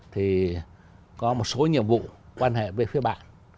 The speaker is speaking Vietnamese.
thì có một số nhiệm vụ quan hệ với phía bạn